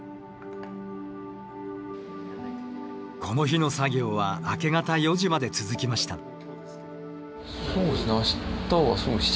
この日の作業は明け方４時まで続きました。